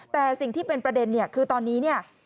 แต่สิ่งที่เป็นประเด็นคือตอนนี้